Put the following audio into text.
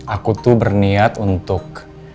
aku tuh berniat untuk